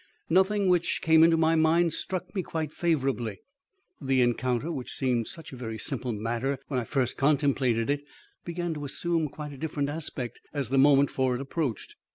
Nothing which came into my mind struck me quite favourably. The encounter which seemed such a very simple matter when I first contemplated it, began to assume quite a different aspect as the moment for it approached.